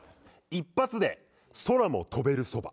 一発で空も飛べるそば。